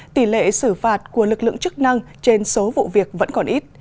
tỷ lệ xử phạt của lực lượng chức năng trên số vụ việc vẫn còn ít